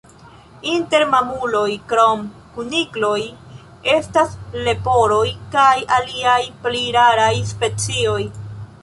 Inter mamuloj, krom kunikloj, estas leporoj kaj aliaj pli raraj specioj.